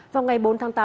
vào ngày bốn tháng tám